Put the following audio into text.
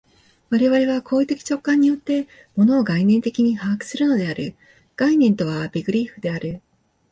我々は行為的直観によって、物を概念的に把握するのである（概念とはベグリッフである）。